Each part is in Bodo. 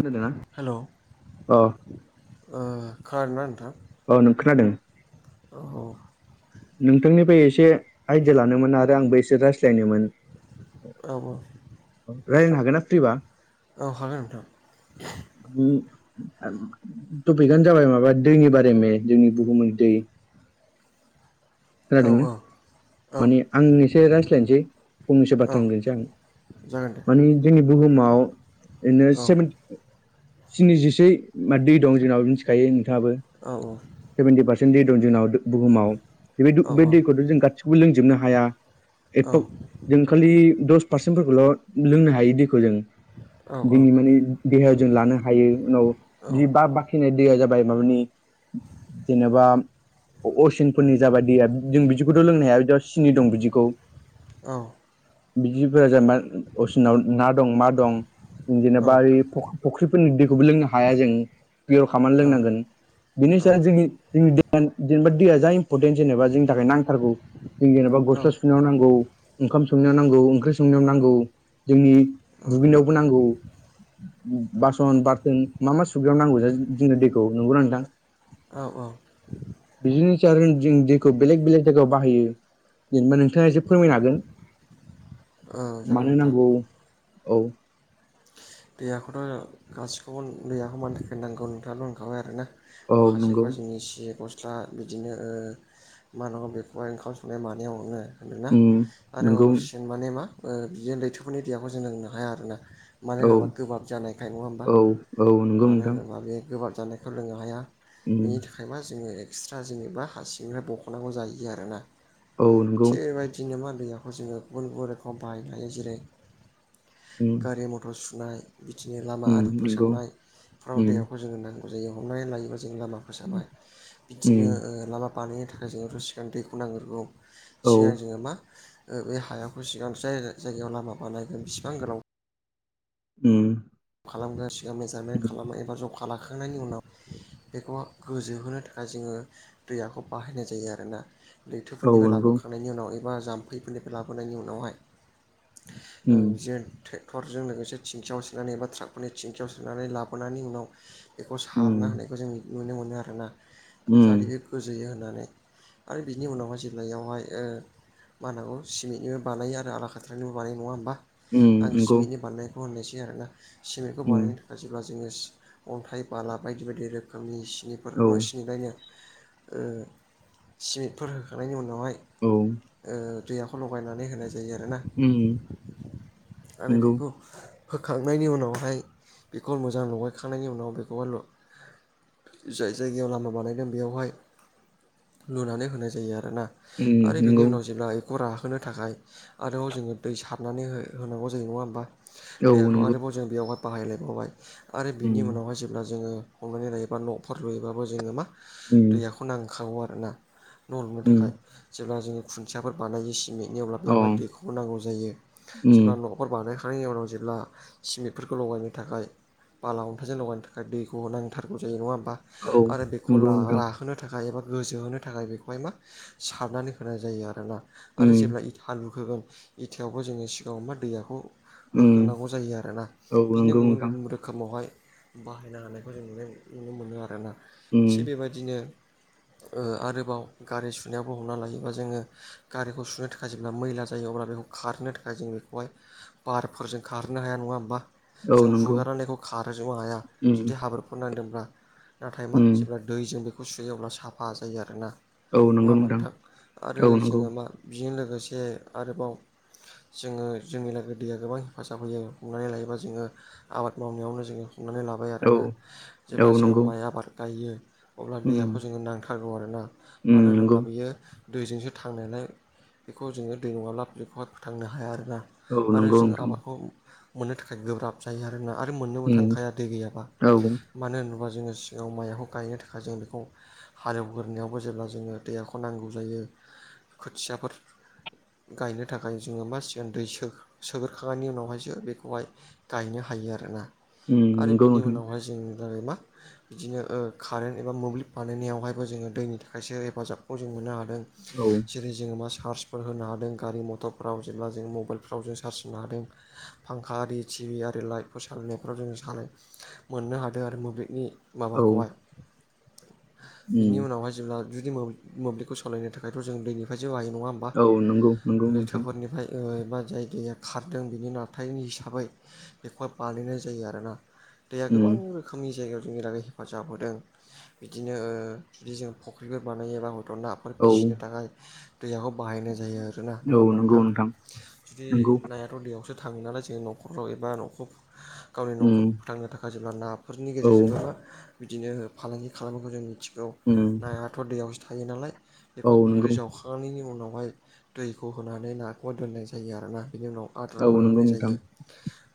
होनदों ना हेल' अ। ओ खानादों ना नोंथां? औ नों खोनादों। औ नोंथांनिफ्राय एसे आइडिया लानोमोन आरो आंबो एसे रायज्लायनोमोन औ रायज्लायनो हागोन ना फ्रिबा? औ हागोन नोंथां तपिक आनो जाबाय माबा दैनि बा जोंनि बुहुम दै औ खोनादों। औ औ माने आंनिसे रायज्लायनोसै फंनैसो औ बाथ्रा होनोसै आं जागोन दे। मानिे जोंनि बुहुमाव रैनो औ सेभेनटि स्निजिसे म दै दं जोंनावो मिथिखायो नोंथाङाबो औ औ। सेभेन्टि पारसेन्ट दै दं जोंनाव बुहुमाव बे औ बे दैखौथ' जों गासिखौबो लोंजोबनो हाया। ए' जों खालि दस पारसेन्टफोरखौल' लोंनो हायो दैखौ जों औ दिनि औ मानि देहायाव जों लानो हायो उनाव बि बा बाखिनाय दैया जाबाय माबानि जेनेबा असिनफोरनि जाबादिया जों बिदिखौथ' लोंनो हाया बि सिनि दं बिदिखौ औ। बिदिफोरा जेनबा असिनाव ना दं मा दं जेनेबा ओ फुख्रिफोरनि दैखौबो लोंनो हाया जों पियर खालामामनानै लोंनांगोन। बेनिस जोंनि जोंनि जेनेबा दैया जा इम्परटेन्ट जेनेबा जोंनि थाखाय नांथारगौ। जों जेनेबा गस्ला सुनायाव नांगौ ओंखाम संनायाव नांगौ ओंख्रि संनायाव नांगौ। जोंनि दुगैनायावबो नांगौ। बासन बारथोन मा मा सुग्रयाव नांगौ ज जोंनो दैखौ नंगौना नोंथां। औ औ। बिदिनोस जों दैखौ बेलेग बेलेग जायगायाव बाहायो जेनेबा नोंथाङा एसे फोरमायनो हागोन। औ जागोन मानो नोंथां नांगौ औ। दैयाखौथ' गासिखौबो दैयाखौ मानि थाखाय नांगौ नोंथाङाल' होनखाबाय आर ना औ नंगौ माखासेफ्रा जोंनि सि रा बिदिनो मा नङा बेखौहाय ओंखाम संनाय मानायाव नोङो होनोना उम आरो नंगौ हसिन माने मा बियो लैथोफोरनि देहाखौ जोंनो हाया आरोना। मानो औ होनोब्ला गोबाब जानायखाय नङा होमबा औ औ नंगौ मानो नोंथां होनोबा बे गोबाब जानायखौ लोंनो हाया। उम बिनि थाखायबा जोङो एक्सट्रा जेनेबा हारसिंनिफ्राय बख'नांगौ जाहैयो आरोना। औ नंगौ थिग बेबायदिनो मा दैयाखौ जोङो गुबुन गुबुन रोखोम बाहायनो हायो जेरै उम गारि मटर सुनाय बिदिनो लामा उम आरि नंगौ फोसाबनायफ्राव उम देव जांग ज हमनानै लायोबा जों लामा फोसाबाय बिनो उम ओ बानायनो थाखाय जोङथ' सिगां दैखौ नांग्रगौ औ सिगां जोङो मा? बे हायाखौ सिगां जाय जायगायाव लामा बानायगोन बिसिबां गोलाव उम जब खालामगोन सिगां मेजारमेन्ट उम खालामो एबा जब खालामखांनायनि उनाव बेखौ गोजोहोनो थाखाय जोङो दैयाखौ बाहायनाय जायो आरोना। औ लैथोफोरनिफ्राय नंगौ लाबोखांनायनि उनाव एबा जाम्फैफोरनिफ्राय लाबोनायनि उनावहाय उम ज ट्रेक्टरजों लोगोसे थिंखयाव सुनानै एबा ट्राकफोरनि थिेंकियाव सोनानै लाबोनानै उनाव बेखौ उम सारना होनायखौ जों नुनो मोनो आरोना उम जादोयो गोजोयो होननानै। आरो बिनि उनावहाय जे्लायावहाय ओ मा होनांगौ सिमेन्टनिबो बानाय आरो आला खाथ्रानिबो बानाय नङा होमबा? उम आं नंगौ सिमेन्टनि बानायनायखौ होननायसै आरोोना सिमेन्टखौ उम बानायनो ाजब्ला जोङो अन्थाइ बाला बायदि बायदि रोखोमनि सिनिफोर औ सिनिफ्रायनो सिमेन्टफोर होखांनायनि उनावहाय औ ओ दैयाखौ लगायनानै होनाय जायो आर ना। उम आरो नंगौ बेखौ होखांनायनि उनावहाय बेखौ मोजां लगायखांनायनि उनाव बेखौहाय जाय जायगायाव लामा बानायदों बेयावहाय लुनानै होनाय जायो आरोना। उम आरो बिनि नंगौ उनाव जेब्ला बेखौ राहोनो थाखाय आरोब जोङो दै सारनानै हो होनांगौ जायो नङा होमबा औ दैयाखौ नंगौ आरोबाव जों बेयावहाय बाहायलायबावबाय आरो बिनि उम उनावहाय जेब्ला जोङो हमनानै लायोबा न'फोर लुयोबाबो जोङो मा उम दैयाखौ फोनांखावौ आरोोना न' लुनो उम थाखाय जेब्ला जोङो खुन्थियाफोर बानायो सिमेन्ट बि अब्ला औ बेवहाय दैखौबो नांगौ जायो। उम जेब्ला न'फोर बानायखांनायनि उनाव जेब्ला सिमेन्टफोरखौ लगायनो थाखाय बाला अन्थाइजों लगायनो थाखाय दैखौ नांथारगौ जायो नङा होमबा औ आरो बेखौ नंगौ नोंथां राहोनो थाखाय थाखाय एबा गोजो होनोनो थाखाय बेखौहाय मा सारनानै होनाय जायो आरोना आरो उम जेब्ला हालु होगोन इथायावबो जोङो सिगाङाव मा दैयाखौ उम होोग्रोनांगौ जायो आरोोना औ बिदिनो नंगौ गुबुन नोंथां गुबुन रोखोम रोखोमावहाय बाहायनो हानायखौ जों नु नुनो मोनो आरोना उम थिग बेबायदिनो आरोबाव गारि सुनायावबो हमना लायोबा जोङो गारिखौ सुनो थाखाय जेब्ला मैला जायो अब्ला बेखौ खारनो नाथाय जों बेखौहाय बारफोरजों खारहोनो हाया नङा होमबा? औ जों नंगौ हुगारनायखौ खारो जोबनो हाया उम जुदि हाब्रोरफोर नांदोंब्ला नाथाय मा उम जेब्ला दैजों बेखौ सुयोब्ला साफा जायो आरोना औ नंगौ नोंथां नङााबानोथां आरो औ नंगौ जोङो मा? बेजों लोगोसे आरोबाव जोङो जोंनि लोगोग दैया गोबां हेफाजाब होयो हमनानै लायोबा जोङो आबाद मावनायावनो जोङो हमनानै लाबाय औ आरोोना औ जेब्ला जोंङ नंगौ माइ आबाद गायो अब्ला उम दैहाखौ जोङो नांथारगौ आरोना उम मानो नंगौ होनोब्ला बियो दैजोंसो थांनायलाय बेखौ जोङो दै नङाब्ला बेखौहाय फोथांनो हाया आरोना। औ आरो नंगौ जोङो नोंथां आबादखौ मोननो थाखाय गोब्राब जायो आरोना आरो मोननोबो उम थांखाया दै गैयाबा। औ उम मानो होनोब्ला जोङो सिगाङाव माइखौ गायनो थाखाय जों बेखौ हालेवग्रोनायावबो जेब्ला जोङो दैहाखौ नांगौ जायो खोथियाफोर गायनो थाखाय जोङो मासिग उन्दै सोग्रखांनायनि उनावहायसो बेखौहाय गायनो हायो आरोना आरो नंगौ बिनि नोंथां उनावहाय जों जै मा बिदिनो कारेन्ट एबा मोब्लिब बानायहनायावहायबो जोङो दैनि थाखायसो हेफाजाबखौ जों मोननो हादों। औ। जेरै जोङो मा चार्जफोर होनो हादों गारि मथरफ्राव जेब्ला जों मबाइलफ्राव जों चार्ज होनो हादों। फांखा आरि टिभि आरि लाइट फोसनायफ्राव जों सानो मोननो हादों आरो मोब्लिबनि औ माबाखौहाय बिनि उम उनावहाय जेब्ला जुदि मोब्लिबखौ सालायनो थाखायथ' जों दैनिफ्राय जौ हायो नङा होमबा औ नंगौ। नंगौ नोंथां लैथोफोरनिफ्राय बा जायगाया खारदों बेनि नथायनि हिसाबै बेखौहाय बानायनाय जायो आरोना दैया गोबां उम रोखोमनि जायगायाव जोंनि थाखायै हेफाजाब होदों। बिदिनो बिदि जों फुख्रिफोर बानायबा हयथ' ना फोर औ फिसिनो थाखाय दैयाखौ बाहाय जायो आरोोना नङा होमबा नोंथां जुदि नंगौ नाया ब' दैयावसो थाङो नालाय जोंङ न'खराव एबा न'खर गावनि न'खर उम फोथांनो थाखाय जेब्ला नाफोरनि औ गेजेरजोंबो मा बिदिनो फालांगि खालामनायखौ जों मिथि औ उम नायाथ' दैयावसो थायो नालाय बेखौ औ फुख्रि नंगौ जावखांनायनि उनावहाय दैखौ होनानै नाखौ दोननाय जायो आरोना बेनि उनाव औ आदारफोर होनाय नंगौ नोंथां जायो।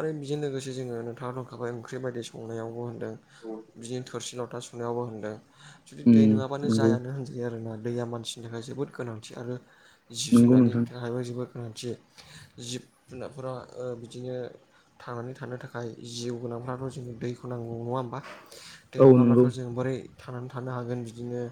आरो बेजों लोगोसे जोङो नोंथाङा दंखाबाय ओंख्रि बायदि संनायावबो होन होनदों बिदिनो थोरसि लथा सुनायावबो होनदों। जुदि दै उम नङाबानो नंगौ जायानो होनजायो आरोना दैया मानसिनि थाखाय जोबोद गोनांथि आरो। जिब नंगौ जुनारनि नोंथां थाखायबो जोोबद गोनांथि जिब जुनारफोरा बिदिनो थांनानै थानो थाखाय जिउ गोनांफ्राथ' जों दैखौ नांगौ नङा होमबा? दै औ नंगौ नङाब्लाथ' जों बोरै थानानै थानो हागोन बिदिनो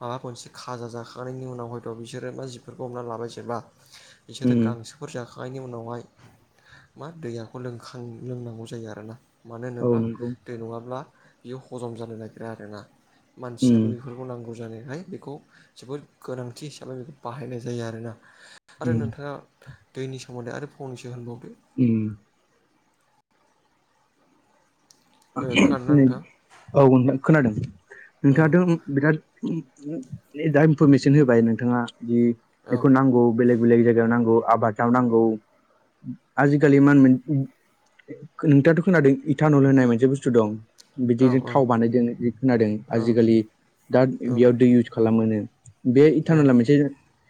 माबा मोनसे खाजा जाखांनायनि उनाव हयथ' बिसोरो मा जि बि हमना लाबाय जेना बिसोरो उम गांसो फोर जाखांनायनि उनावहाय मा दैयाखौ लोंखां लोंनांगौ जायो आरोना। मानो औ होनोब्ला नंगौ दै नङाब्ला बियो हजम जानो नागिरा आरोना मानसियाबो उम बेफोर नांगौ जानायखाय बेखौ जोबोद गोनांथि हिसाबै बेखौ बाहायनाय जायो आरोना। आरो उम नोंथाङा दैनि सोमोन्दै आरो फंनैसो होनबावदो उम ओ खोनादोंना नोंथां औथ खोनादों औ नोंथाङा दों बिराद दा इनफरमेसन होबाय नोंथाङा जि औ बेखौ नांगौ बेलेग। बेलेग जायगायाव नांगौ आबादाव नांगौ आजिखालि मा होनो नोंथाङाथ' खोनादों इटानल होननाय मोनसे बुस्थु दं। औ बिदिजों थाव बानायदों बि खोनादों औ आजिखालि दा औ बेयाव दै इउस खालामो। बे औ थानला मोनसे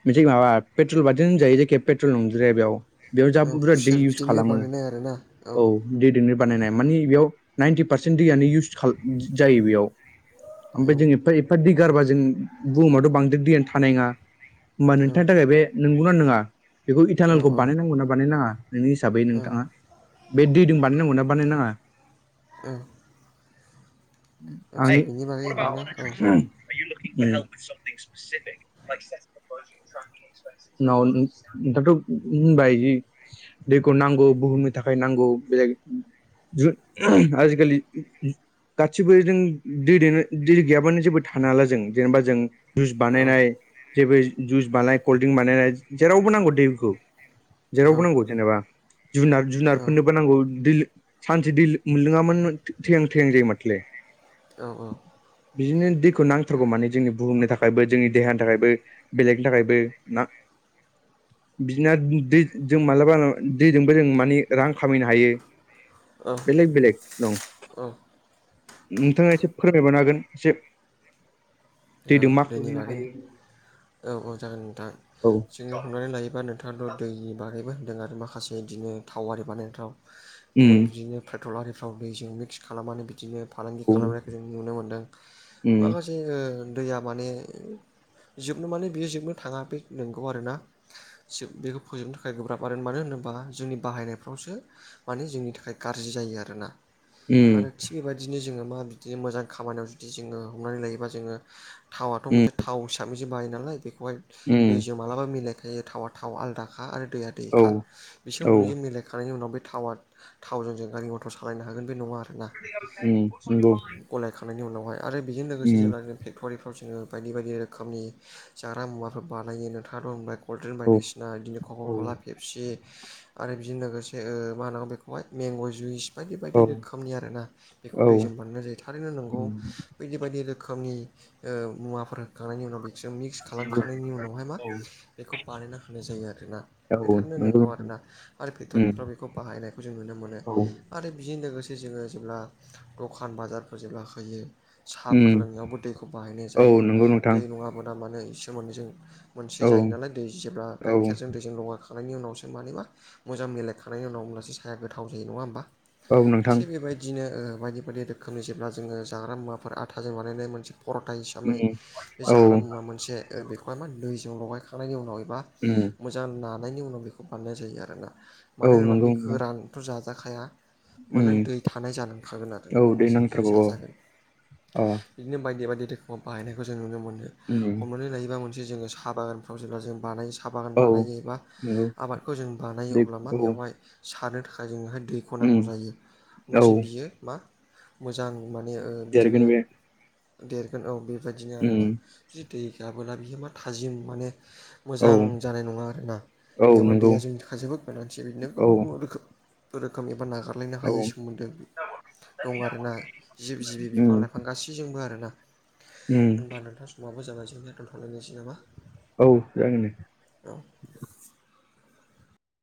मोनसे माबा पेट्रल बान होनजायो जेखे पेट्रल नंज्राया बेयाव बेयाव जा औ बुरजाद दै खुसेर इउस बिदैनिफ्राय खालामो बानायनाय आरोना औ। दैजोंनो बानायनाया मानिे बेयाव नाइनटि पारसेन्ट दैयानो इउस जायो बेयाव औ ओमफ्राय जों एफा एफा दै गारबा जों बुहुमावाथ' बांद्राय दैयानो थानाय नङा। होमबा नोंथांनि थाखाय बे नंगौना नङा बेखौ औ इटानेलखौ बानायनांगौना बानायनाङा। नोंनि हिसाबै औ नोंथाङा बे दैजों बानायनांगौ ना बानायनाङा औ आदसा बिनि बागै होनानै होनदोंना औ उम [unintelligible] उम। नावनि नोंस्राथ' बायजि [unintelligible] दैखौ नांगौ बुहुमनि थाखाय नांगौ बे आजिखालि सेपटि गासिबो जों दै दनो दै गैयाबानो जेबो थानो हाला जों जेनेबा जों जुइस औ बानायनाय जेबो जुइस बानायनाय कल्ड्रिंक बानायनाय जेरावबो नांगौ दैखौ औ जेरावबो नांगौ जेनेबा जुनार जुनारफोरनोबो औ नांगौ दैल सानसे दैल मोनलोङाबा थैहां थैहां जायो माथो। औ औ बिदिनो दैखौ नांथारगौ माने जोंनि बुहुमनि थाखायबो जोंनि देहानि थाखायबो बेलेगनि थाखायबो ना बिदिना दै जों मालाबाा दैजोंबो जों मानि रां खामायनो हायो। औ बेलेग बेलेग दं नोंथाङा एसे फोरमायबनो हागोन एसे औ दैजों मा दैनि खालामनो बागैनो हायो औ औ जागोन नोंथां औ जङो हमनानै लायोबा नों थाङाथ' दै बानायबो होनदों आरो माखासे बिदिनो थावि बानायनाय थाव उम बिदिनो पेटल आरारिफ्राव दैजों मिक्स खालामनानै बिदिनो फालांगि औ उम खालामनायखौ जों नुनो मोनदों माखासे एसे दैया माने जोबनो माने बियो जोबनो थाङा बे नंगौ आरोना। बेखौ फोजोबनो थाखाय गोब्राब आरो मानो होनोबा जोंनि बाहायनायफ्रावसो माने जोंनि थाखाय गाज्रि जायो आरोना। आरो उम थिग बेबायदिनो जोङो मा बिदिनो मोजां खामानियाव जुदि जोङो हमनानै लायोबा जोङो थावथ' मोनसे थाव हिसाबैसो बायो नालाय बेखौहाय उम दै जों मालाबा मिलायखायो थावा थाव आलदाखा आरो दैया औ दैखा बिसोर औ उम मोननैजों मिलायखांनायनि उनाव बे थावा थावजों जों गारि मथर सालायनो हागोन बे नङा आरो उम नंगौ गलायखांनायनि उनावहाय आरो बेजों लोगोसे उम जेलागोन फेक्ट'रिफ्राव जोंङो बायदि बायदि रोखोमनि जाग्रा मुवाफोर बानायो नोंथांङो होनबाय कल्ड्रिंक औ बायदिसिना बिदि औ खख'ला फेब खसि आरो बिजोंनो लोगोसे मा होनांगौ बेखौहाय मेंग' जुइस बायदि औ बायदि रोखोमनि आर ना बेखौ औ उम दैजों बानायनाय जायो थारैनो नंगौ बायदि बायदि रोखोमनि मुवाफोर होखांनायनि उनाव बेखौसो मिक्स नंगौ खालामखांनायनि उनावहाय मा? बेखौ बानायना होनाय जायो आरोना। नेथारनो नंगौ आरो ना आरो फेक्ट'रिफ्राव बेखौ बाहायनायखौ जों नुनो मोनो। औ आरो बेजों लोगोसे जोङो जेब्ला दखान बाजारफोर जेब्ला होयो साहाफोर लोंनायावबो दैखौ बाहायनाय औ जायो नंगौ नोंथां दै नङाबो दा मानो इसोर मोनैजों मोनसे जायो उम नालाय दै जेब्ला औ उम गाइखेरजों दैजों लङाखै खांनायनि उनावसो मानोबा मोजां मिलायखांनायनि उनाव हब्लासो साया गोथाव जायो नंङा होमबा? औ नंगौ नोंथां औ नोंथां थिग बेबायदिनो बायदि बायदि रोखोमनि जेब्ला जोंङो जाग्रा मुवाफोर आथाजों बानायनाय मोनसे खर'था हिसाबै उम बे औ जाग्रा मुवा मोनसे बेखौहाय मा दैजों लगायखांनायनि उनाव एबा उम मोजां नानायनि उनाव बेखौ बानायनाय जायो आरोना औ मानो होनोबा नंगौ बे नोंथां गोरानथ' जाजाखाया। मान उम दै थानाय जानांखागोन आरोना औ दै होनबासो बियो नांथारगौ औ जाजागोन अ बिदिनो बायदि बायदि रोखोमाव बायनायखौ जों नुनो मोनो उम हमनानै लायोबा मोनसे जोंङो साहा बागानफ्राव जेब्ला जों बानाय साहा बागान औ बानायो एबा नंगौ आबादखौ जों बानायो दै अब्ला मा औ बेवहाय सारनो थाखाय जोंङोहाय दै दुखनांगौ उम जायो औ होनब्लासो बियो मा मोजां माने बिदिनो देरगोन बे देरगोन औ बेबायदिनो आरोना उम जदि दै गाबोला बियो मा थाजिम माने औ मोजां जानाय नंङा आरोना औ बेयावहाय नंगौ दैया जोंनि थाखाय जोबोद गोनांथि बिदिनो औ गुबुन गुबुन रोखोम रोखोम एबा नागारलायनो औ हायै सोमोन्दो दं आरोना जिब जिबि बिफां उम लाइफां गासैजोंबो आर ना उम होनबा नोंथां समाबो जानाय जोंनाया दोनथ'लायनोसै नामा? औ जागोन औ